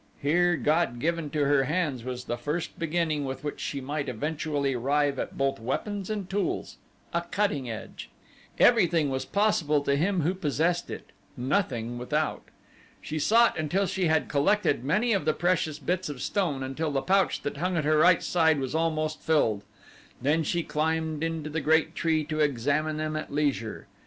Here, God given to her hands, was the first beginning with which she might eventually arrive at both weapons and tools a cutting edge. Everything was possible to him who possessed it nothing without. She sought until she had collected many of the precious bits of stone until the pouch that hung at her right side was almost filled. Then she climbed into the great tree to examine them at leisure.